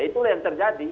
itu yang terjadi